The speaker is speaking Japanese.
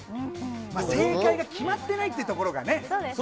正解が決まってないっていうところがね。